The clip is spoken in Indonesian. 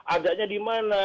adanya di mana